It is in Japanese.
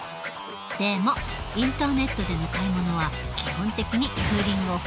でもインターネットでの買い物は基本的にクーリングオフはできない。